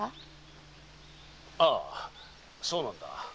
ああそうなんだ。